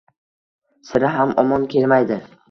Sira ham omon kelmaydi.